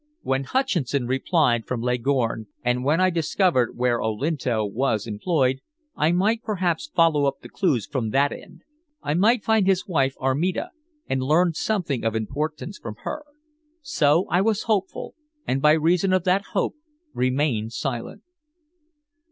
When Hutcheson replied from Leghorn, and when I discovered where Olinto was employed, I might perhaps follow up the clues from that end. I might find his wife Armida and learn something of importance from her. So I was hopeful, and by reason of that hope remained silent.